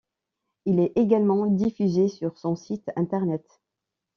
Elle est également diffusée sur son site internet.